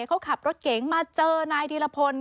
เขาขับรถเก๋งมาเจอนายธีรพล